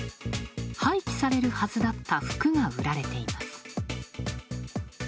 廃棄されるはずだった服が売られています。